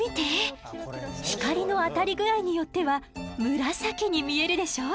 光の当たり具合によっては紫に見えるでしょう？